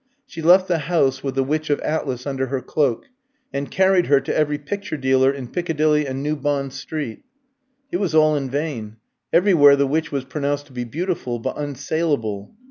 She left the house with the "Witch of Atlas" under her cloak, and carried her to every picture dealer in Piccadilly and New Bond Street. It was all in vain. Everywhere the Witch was pronounced to be beautiful, but unsalable.